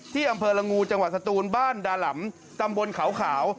ที่อำเภอลงงูจังหวัดสตูนบ้านดาหลำตำบลขาว